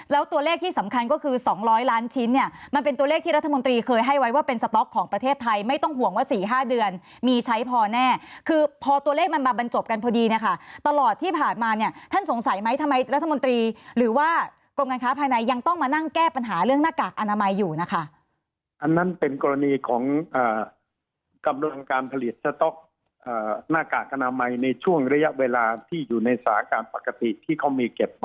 แล้วตัวเลขที่สำคัญก็คือ๒๐๐ล้านชิ้นเนี่ยมันเป็นตัวเลขที่รัฐมนตรีเคยให้ไว้ว่าเป็นสต๊อกของประเทศไทยไม่ต้องห่วงว่า๔๕เดือนมีใช้พอแน่คือพอตัวเลขมันมาบรรจบกันพอดีนะคะตลอดที่ผ่านมาเนี่ยท่านสงสัยไหมทำไมรัฐมนตรีหรือว่ากลุ่มการค้าภายในยังต้องมานั่งแก้ปัญหาเรื่องหน้ากากอนาม